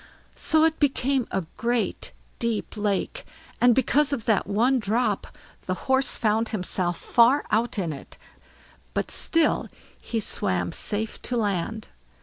So it became a great deep lake; and because of that one drop, the horse found himself far out in it, but still he swam safe to land.